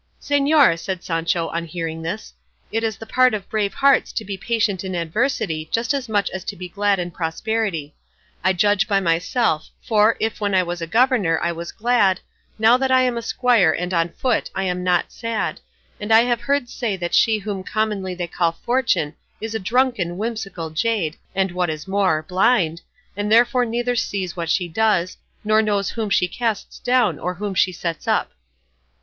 "Señor," said Sancho on hearing this, "it is the part of brave hearts to be patient in adversity just as much as to be glad in prosperity; I judge by myself, for, if when I was a governor I was glad, now that I am a squire and on foot I am not sad; and I have heard say that she whom commonly they call Fortune is a drunken whimsical jade, and, what is more, blind, and therefore neither sees what she does, nor knows whom she casts down or whom she sets up."